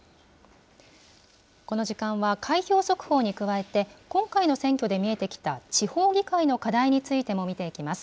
この時間は、開票速報に加えて、今回の選挙で見えてきた地方議会の課題についても見ていきます。